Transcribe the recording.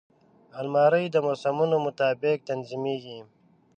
الماري د موسمونو مطابق تنظیمېږي